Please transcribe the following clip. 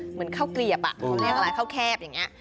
เหมือนข้าวเกลียบเพราะแคบอย่างนี้